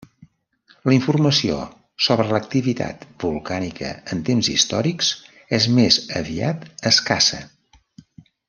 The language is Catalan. La informació sobre l'activitat volcànica en temps històrics és més aviat escassa.